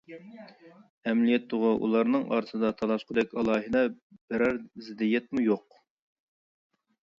ئەمەلىيەتتىغۇ ئۇلارنىڭ ئارىسىدا تالاشقۇدەك ئالاھىدە بىرەر زىددىيەتمۇ يوق.